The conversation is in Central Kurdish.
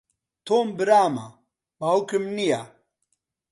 تۆم برامە، باوکم نییە.